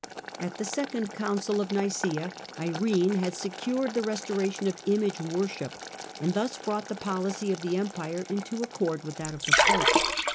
At the second Council of Niceea Irene had secured the restoration of image worship, and thus brought the policy of the Empire into accord with that of the Pope.